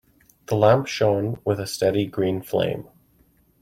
The lamp shone with a steady green flame.